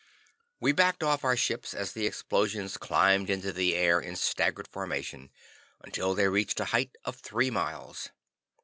We backed off our ships as the explosions climbed into the air in stagger formation until they reached a height of three miles.